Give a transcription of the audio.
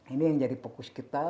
ini yang jadi fokus kita